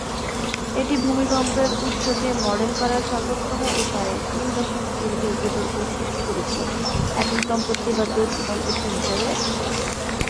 এটি ভূমিকম্পের উৎসকে মডেল করার সর্বোত্তম উপায়ে তিন দশক দীর্ঘ বিতর্ক সৃষ্টি করেছিল: একক দম্পতি, বা দ্বৈত দম্পতি হিসাবে?